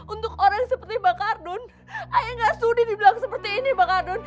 untuk orang seperti mbak kardun ayah gak sudi dibilang seperti ini mbak kardun